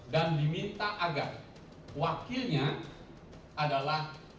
diminta agar wakilnya adalah